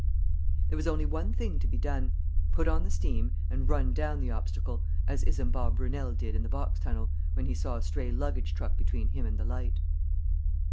There was only one thing to be done; put on the steam, and run down the obstacle, as Isambard Brunel did in the Box tunnel, when he saw a stray luggage truck between him and the light.